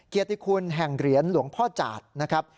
เกียรติคุณแห่งเหรียญหลวงพ่อจาดนะครับ